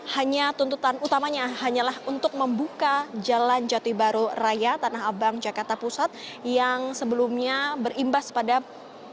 hanya tuntutan utamanya hanyalah untuk membuka jalan jati baru raya tanah abang jakarta pusat yang sebelumnya berimbas pada pembangunan